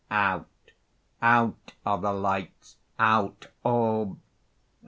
Out out are the lights out all!